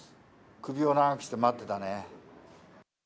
首を長くして待っていたね。